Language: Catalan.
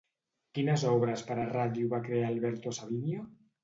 Quines obres per a ràdio va crear Alberto Savinio?